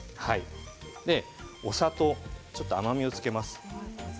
お砂糖ちょっと甘みを付けます。